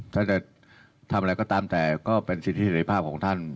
ถ้าถ้าจะทำอะไรก็ตามแต่ก็เป็นสิทธิเหนือบ้างของท่าน